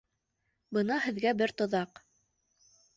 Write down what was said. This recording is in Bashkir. Бына һеҙгә бер тоҙаҡ!